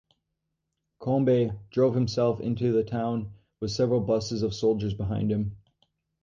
Kombe drove himself into the town with several buses of soldiers behind him.